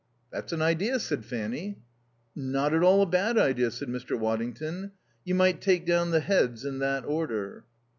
"That's an idea," said Fanny. "Not at all a bad idea," said Mr. Waddington. "You might take down the heads in that order."